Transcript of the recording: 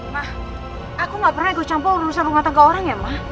ma aku gak pernah ikut campur urusan rumah tangga orang ya ma